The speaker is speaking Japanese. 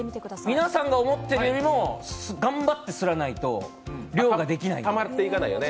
皆さんが思ってるよりも頑張ってすらないと全然たまらない。